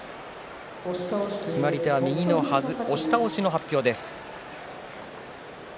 決まり手は押し倒しの発表です。